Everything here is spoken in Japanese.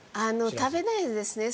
食べないですね。